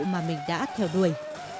mà mình đã theo đuổi